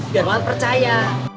biar mamat percaya